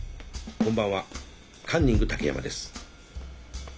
こんばんはカンニング竹山です。